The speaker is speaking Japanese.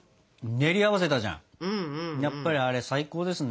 やっぱりあれ最高ですね。